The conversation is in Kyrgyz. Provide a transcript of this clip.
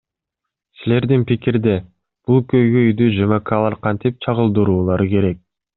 Силердин пикирде, бул көйгөйдү ЖМКлар кантип чагылдыруулары керек?